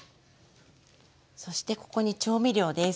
そしてここに調味料です。